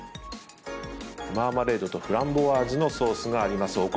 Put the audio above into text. マーマレードとフランボワーズのソースがあります。